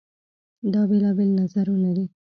دا بېلابېل نظرونه دي.